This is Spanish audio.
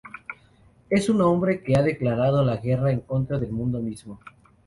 Es un hombre que ha declarado la guerra en contra del mundo mismo.